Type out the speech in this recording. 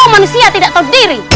kalo dia tidak mengenal nyi dewi